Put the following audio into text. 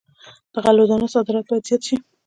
د غلو دانو صادرات باید زیات شي.